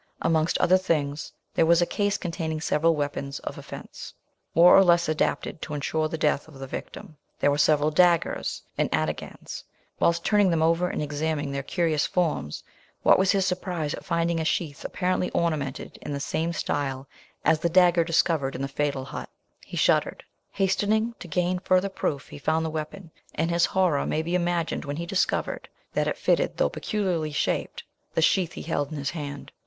Amongst other things there was a case containing several weapons of offence, more or less adapted to ensure the death of the victim. There were several daggers and ataghans. Whilst turning them over, and examining their curious forms, what was his surprise at finding a sheath apparently ornamented in the same style as the dagger discovered in the fatal hut he shuddered hastening to gain further proof, he found the weapon, and his horror may be imagined when he discovered that it fitted, though peculiarly shaped, the sheath he held in his hand.